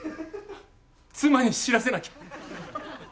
妻に知らせなきゃ。